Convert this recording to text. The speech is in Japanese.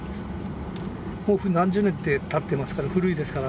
もう何十年ってたってますから古いですから。